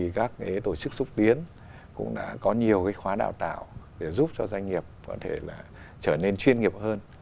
thế thì các tổ chức xúc tiến cũng đã có nhiều cái khóa đào tạo để giúp cho doanh nghiệp có thể là trở nên chuyên nghiệp hơn